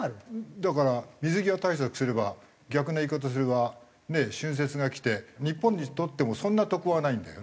だから水際対策すれば逆な言い方すればね春節が来て日本にとってもそんな得はないんだよね。